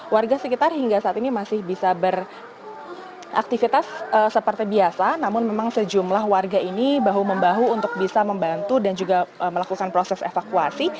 warga sekitar hingga saat ini masih bisa beraktivitas seperti biasa namun memang sejumlah warga ini bahu membahu untuk bisa membantu dan juga melakukan proses evakuasi